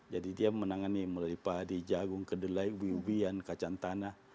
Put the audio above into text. jadi dia menangani melipah di jagung kedelai ubi ubian kacang tanah